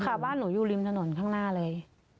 ค่ะบ้านหนูอยู่ริมถนนข้างหน้าเลย